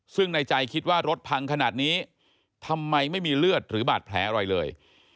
ซึ่งในใจคิดว่ารถพังขนาดนี้ทำไมไม่มีเลือดหรือบาดแผลอะไรเลย